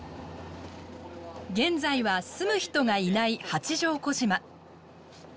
現在は住む人がいない八丈小島。